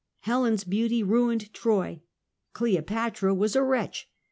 Helen's beauty ruined Troy. Cleopatra was a wretch.